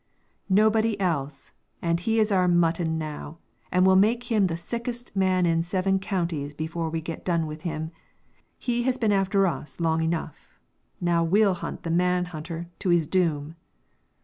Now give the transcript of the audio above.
"Nobody else, and he is our mutton now, and we'll make him the sickest man in seven counties before we get done with him. He has been after us long enough; now we'll hunt the man hunter to his doom."